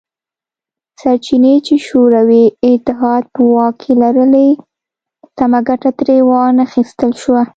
سرچینې چې شوروي اتحاد په واک کې لرلې سمه ګټه ترې وانه خیستل شوه